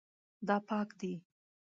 دا پاک دی